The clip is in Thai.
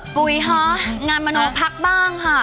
ปุ๋ยคะงานมโนพักบ้างค่ะ